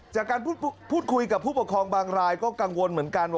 จากการพูดคุยกับผู้ปกครองบางรายก็กังวลเหมือนกัน